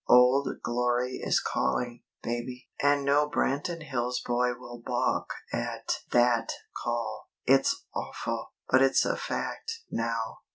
Old Glory is calling, baby, and no Branton Hills boy will balk at that call. It's awful, but it's a fact, now."